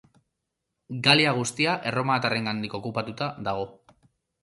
Galia guztia erromatarrengatik okupatuta dago.